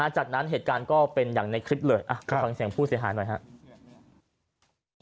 จากนั้นเหตุการณ์ก็เป็นอย่างในคลิปเลยไปฟังเสียงผู้เสียหายหน่อยครับ